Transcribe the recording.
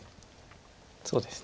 そうですね。